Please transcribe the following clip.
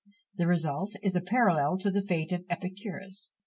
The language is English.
The result is a parallel to the fate of Epicurus.